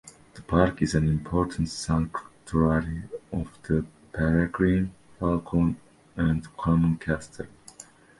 The park is an important sanctuary of the peregrine falcon and common kestrel.